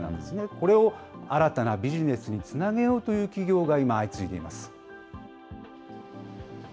これを新たなビジネスにつなげようという企業が今、相次いでいます。